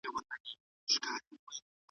نور یې کښېښودل په منځ کي کبابونه,